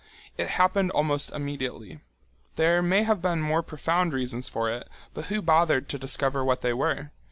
It happened almost immediately. There may have been more profound reasons for it, but who bothered to discover what they were?